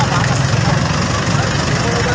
รถมันต่อไปเสียเนอะ